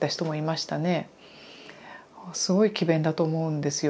すごい詭弁だと思うんですよ。